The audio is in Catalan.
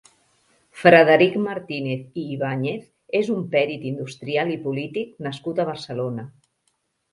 Frederic Martínez i Ibáñez és un perit industrial i polític nascut a Barcelona.